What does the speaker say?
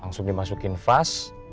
langsung dimasukin vas